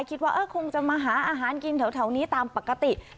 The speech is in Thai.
คิดว่าคงจะมาหาอาหารกินแถวนี้ตามปกติ